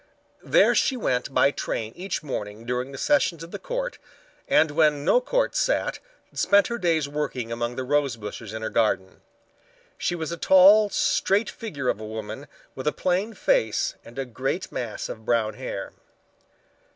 There she went by train each morning during the sessions of the court, and when no court sat, spent her days working among the rosebushes in her garden. She was a tall, straight figure of a woman with a plain face and a great mass of brown hair.